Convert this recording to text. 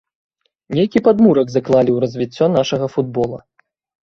Нейкі падмурак заклалі ў развіццё нашага футбола.